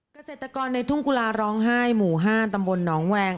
เกษตรกรในทุ่งกุลาร้องไห้หมู่๕ตำบลหนองแวง